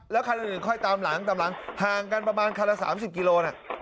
คันอื่นค่อยตามหลังตามหลังห่างกันประมาณคันละ๓๐กิโลน่ะ